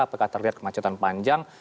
apakah terlihat kemacetan panjang